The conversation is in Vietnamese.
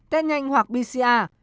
test nhanh hoặc pcr